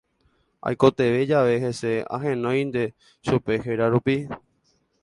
Aikotevẽ jave hese ahenóinte chupe héra rupi.